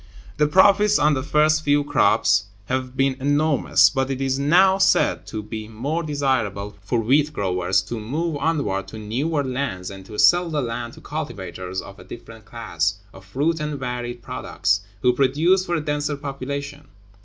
The profits on the first few crops have been enormous, but it is now said to be more desirable for wheat growers to move onward to newer lands, and to sell the land to cultivators of a different class (of fruit and varied products), who produce for a denser population.